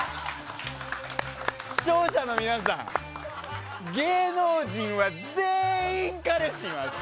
視聴者の皆さん、芸能人は全員彼氏います。